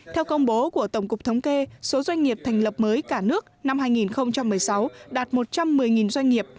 theo công bố của tổng cục thống kê số doanh nghiệp thành lập mới cả nước năm hai nghìn một mươi sáu đạt một trăm một mươi doanh nghiệp